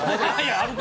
あるか！